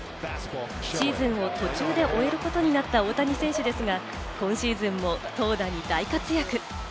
シーズンを途中で終えることになった大谷選手ですが、今シーズンも投打に大活躍。